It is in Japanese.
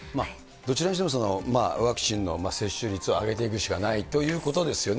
どちらにしても、ワクチンの接種率を上げていくしかないということですよね。